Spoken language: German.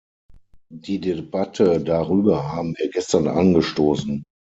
Die Debatte darüber haben wir gestern angestoßen.